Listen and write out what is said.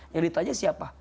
yang ditanya siapa